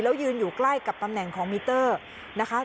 แล้วยืนอยู่ใกล้กับตำแหน่งของมิเตอร์นะคะ